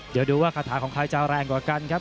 เดี๋ยวดูว่าคาถาของใครจะแรงกว่ากันครับ